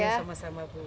ya sama sama bu